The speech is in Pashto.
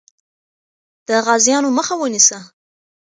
د غازیانو مخه ونیسه.